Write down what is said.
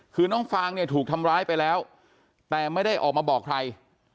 คือน้องฟางเนี่ยถูกทำร้ายไปแล้วแต่ไม่ได้ออกมาบอกใคร